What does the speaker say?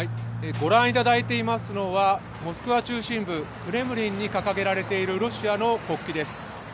ご覧いただいていますのはモスクワ中心部クレムリンに掲げられているロシアの国旗です。